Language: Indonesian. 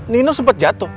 nino sempat jatuh